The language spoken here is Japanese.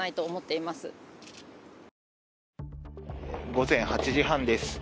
午前８時半です。